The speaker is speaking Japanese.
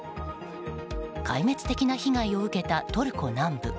壊滅的な被害を受けたトルコ南部。